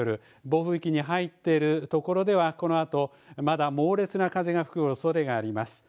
暴風域に入っているところでは、このあと、まだ猛烈な風が吹くおそれがあります。